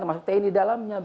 termasuk tni di dalamnya